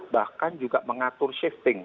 bahkan juga mengatur shifting